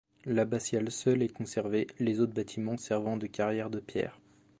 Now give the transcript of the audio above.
L'abbatiale seule est conservée, les autres bâtiments servant de carrière de pierre.